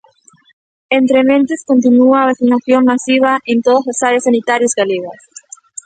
Entrementes continúa a vacinación masiva en todas as áreas sanitarias galegas.